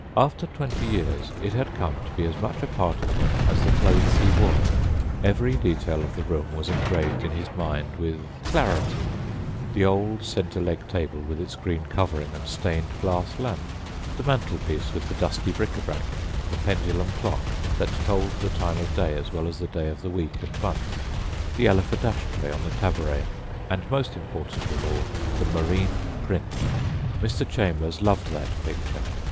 After twenty years it had come to be as much a part of him as the clothes he wore. Every detail of the room was engraved in his mind with ... clarity; the old center leg table with its green covering and stained glass lamp; the mantelpiece with the dusty bric a brac; the pendulum clock that told the time of day as well as the day of the week and month; the elephant ash tray on the tabaret and, most important of all, the marine print. Mr. Chambers loved that picture.